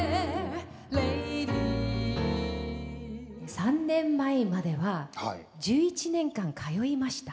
３年前までは１１年間通いました。